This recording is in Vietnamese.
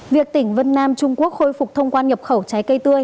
việc tỉnh vân nam trung quốc khôi phục thông quan nhập khẩu trái cây tươi